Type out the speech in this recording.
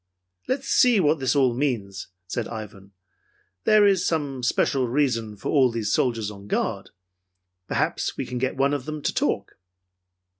"Let's see what this all means," said Ivan. "There is some special reason for all these soldiers on guard. Perhaps we can get one of them to talk."